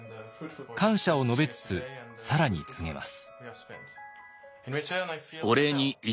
感謝を述べつつ更に告げます。